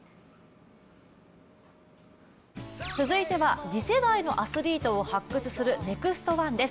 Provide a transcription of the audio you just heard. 続いては、次世代のアスリートを発掘する「ＮＥＸＴ☆１」です。